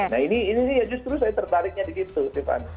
nah ini justru saya tertariknya di situ sivan